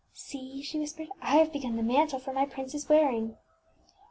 ŌĆśSee, ŌĆÖ she whispered, ŌĆś I have begun the mantle for my princeŌĆÖs wearing.